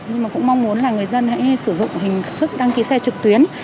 nhưng mà cũng mong muốn là người dân hãy sử dụng hình thức đăng ký xe trực tuyến